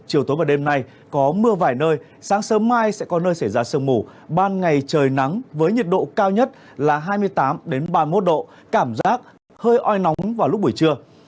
chiều tối và đêm nay có mưa vài nơi sáng sớm mai sẽ có nơi xảy ra sương mù ban ngày trời nắng với nhiệt độ cao nhất là hai mươi tám ba mươi một độ cảm giác hơi oi nóng vào lúc buổi trưa